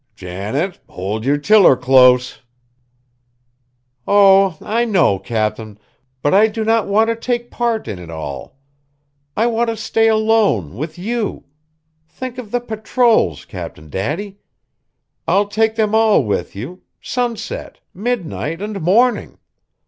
"Janet, hold yer tiller close!" "Oh! I know, Cap'n, but I do not want to take part in it all. I want to stay alone with you. Think of the patrols, Cap'n Daddy! I'll take them all with you. Sunset, midnight, and morning!